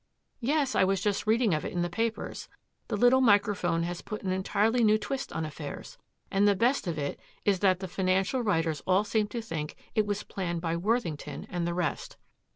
"Yes, I was just reading of it in the papers. The little microphone has put an entirely new twist on affairs. And the best of it is that the financial writers all seem to think it was planned by Worthington and the rest."